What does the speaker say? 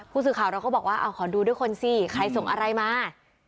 ผู้สื่อข่าวเราก็บอกว่าขอดูด้วยคนสิใครส่งอะไรมา